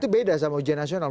itu beda sama ujian nasional